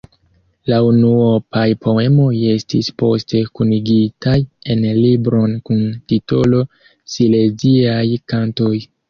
La unuopaj poemoj estis poste kunigitaj en libron kun titolo "Sileziaj kantoj".